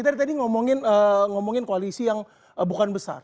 tadi ngomongin koalisi yang bukan besar